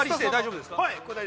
◆大丈夫ですか。